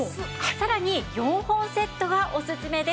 さらに４本セットがオススメです。